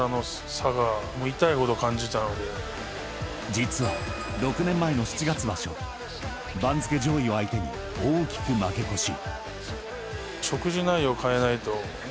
［実は６年前の７月場所番付上位を相手に大きく負け越し］